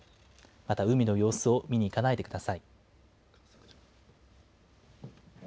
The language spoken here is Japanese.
また海の様子を見に行かないでください。